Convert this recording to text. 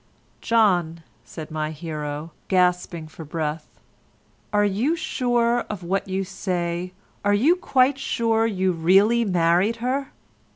"John," said my hero, gasping for breath, "are you sure of what you say—are you quite sure you really married her?"